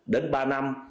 đến ba năm